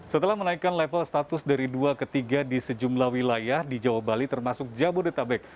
setelah menaikkan level status dari dua ke tiga di sejumlah wilayah di jawa bali termasuk jabodetabek